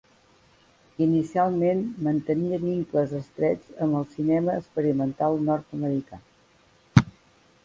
Inicialment mantenia vincles estrets amb el cinema experimental nord-americà.